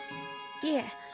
いえ。